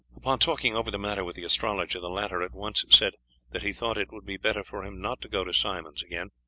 Upon talking over the matter with the astrologer the latter at once said that he thought that it would be better for him not to go to Simon's again.